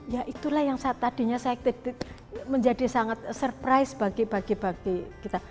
ya itulah yang tadinya saya menjadi sangat surprise bagi bagi kita